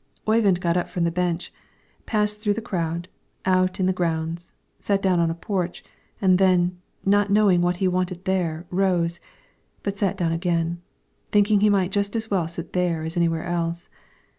Oyvind got up from the bench, passed through the crowd, out in the grounds, sat down on a porch, and then, not knowing what he wanted there rose, but sat down again, thinking he might just as well sit there as anywhere else.